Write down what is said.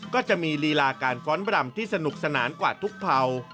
ก็จะมีลีลาการฟ้อนบรำที่สนุกสนานกว่าทุกเภา